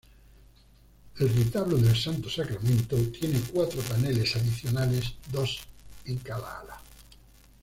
El "Retablo del Santo Sacramento" tiene cuatro paneles adicionales, dos en cada ala.